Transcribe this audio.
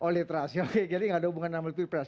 oh literasi oke jadi gak ada hubungan sama pilpres